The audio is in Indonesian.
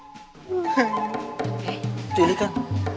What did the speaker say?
eh itu ini kan